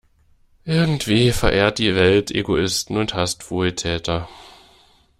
Irgendwie verehrt die Welt Egoisten und hasst Wohltäter.